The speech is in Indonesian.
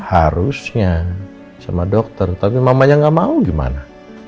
harusnya sama dokter tapi mamanya nggak mau gimana